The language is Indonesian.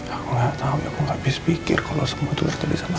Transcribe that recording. aku tidak tahu aku tidak bisa pikir kalau semua itu dipakai etik